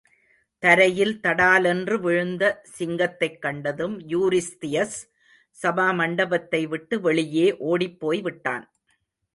தரையில் தடாலென்று விழுந்த சிங்கத்தைக் கண்டதும், யூரிஸ்தியஸ் சபா மண்டபத்தை விட்டு வெளியே ஓடிப்போய்விட்டான்.